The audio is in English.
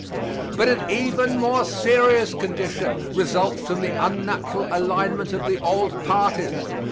But an even more serious condition results from the unnatural alignment of the old parties.